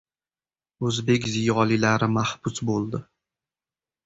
O‘zbek ziyolilari mahbus bo‘ldi.